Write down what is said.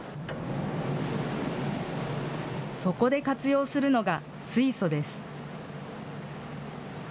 そこで活用するのが、水素です。